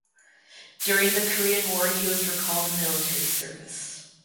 During the Korean War he was recalled to military service.